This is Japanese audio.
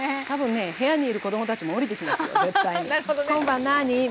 多分ね部屋にいる子どもたちも下りてきますよ絶対に。